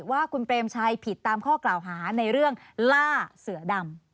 ว่าคุณเปรมชัยผิดตามข้อกล่าวหาในเรื่องล่าเสือดำ